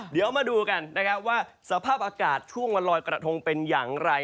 เดี๋ยวมาดูกันนะครับว่าสภาพอากาศช่วงวันลอยกระทงเป็นอย่างไร